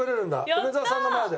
梅沢さんの前で。